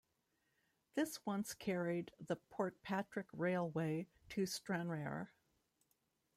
This once carried the Portpatrick Railway to Stranraer.